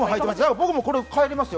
僕もこれで帰りますよ。